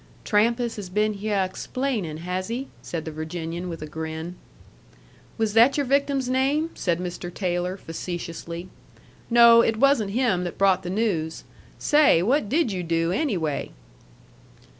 "Trampas has been hyeh explainin', has he?" said the Virginian with a grin. "Was that your victim's name?" said Mr. Taylor, facetiously. "No, it wasn't him that brought the news. Say, what did you do, anyway?"